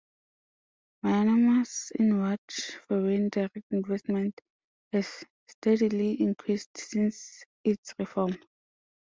Myanmar's inward foreign direct investment has steadily increased since its reform.